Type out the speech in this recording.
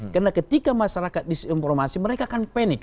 karena ketika masyarakat disinformasi mereka akan panik